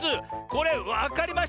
これわかりましたよ。